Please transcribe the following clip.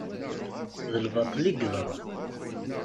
D lbaṭel i yeḍran.